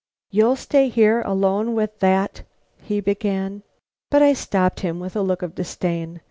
"You'll stay here alone with that " he began. But I stopped him with a look of disdain.